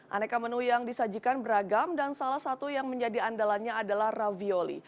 aneka menu yang disajikan beragam dan salah satu yang menjadi andalannya adalah ravioli